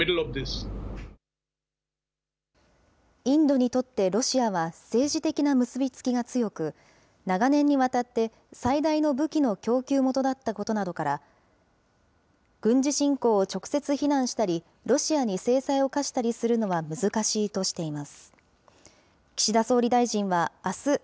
インドにとってロシアは、政治的な結び付きが強く、長年にわたって最大の武器の供給元だったことなどから、軍事侵攻を直接非難したり、ロシアに制裁を科したりするのは難しいとしています。